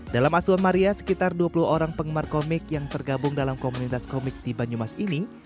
dalam asuan maria sekitar dua puluh orang penggemar komik yang tergabung dalam komunitas komik di banyumas ini